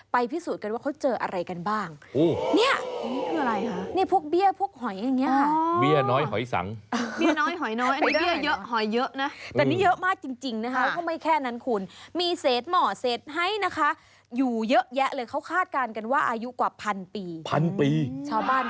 พิสูจน์กันว่าเขาเจออะไรกันบ้าง